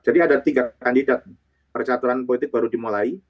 jadi ada tiga kandidat percaturan politik baru dimulai